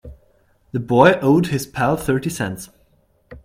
The boy owed his pal thirty cents.